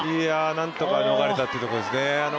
なんとか逃れたっていうところですね。